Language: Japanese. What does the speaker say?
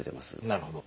なるほど。